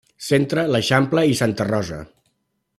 Centre, l'Eixample, i Santa Rosa.